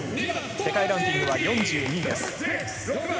世界ランキングは４２位です。